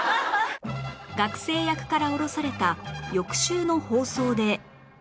学生役から降ろされた翌週の放送で